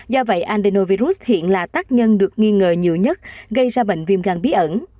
do vậy andenovirus hiện là tác nhân được nghi ngờ nhiều nhất gây ra bệnh viêm gan bí ẩn